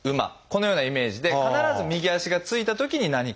このようなイメージで必ず右足がついたときに何かを言う。